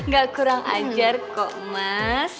gak kurang ajar kok mas